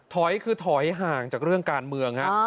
ถอยคือถอยห่างจากเรื่องการเมืองฮะ